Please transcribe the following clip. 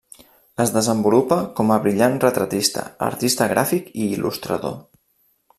Es desenvolupa com a brillant retratista, artista gràfic i il·lustrador.